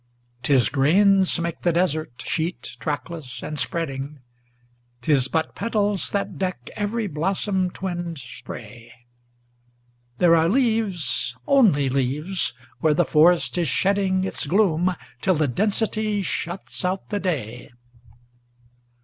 'Tis grains make the desert sheet, trackless and spreading; 'Tis but petals that deck every blossom twinned spray; There are leaves only leaves where the forest is shedding Its gloom till the density shuts out the day.